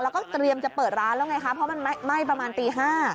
แล้วก็เตรียมจะเปิดร้านแล้วไงคะเพราะมันไหม้ประมาณตี๕